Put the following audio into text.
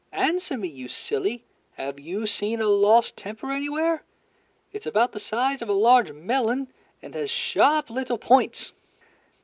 Answer me, you silly, have you seen a lost temper anywhere? It's about the size of a large melon and has sharp little points."